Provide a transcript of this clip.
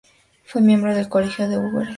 Fue miembro del colegio de augures.